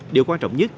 điều quan trọng nhất